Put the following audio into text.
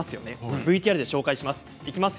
ＶＴＲで紹介します。